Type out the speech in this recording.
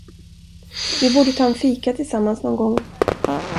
Vi borde ta en fika tillsammans någon gång.